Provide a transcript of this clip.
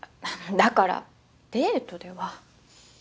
だからデートでは。